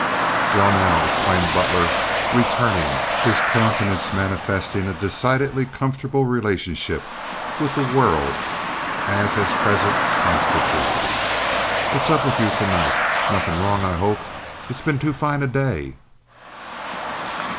"Well, now," exclaimed Butler, returning, his countenance manifesting a decidedly comfortable relationship with the world as at present constituted. "What's up with you to night? Nawthin' wrong, I hope. It's been too fine a day."